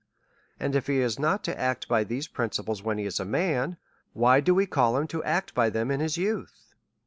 And if he is not to act by these principles when he is a man, w hy do we call him to act by them in his youth?